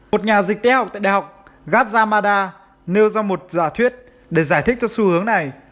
một nhà dịch tế học tại đại học gajah mada nêu ra một giả thuyết để giải thích cho xu hướng này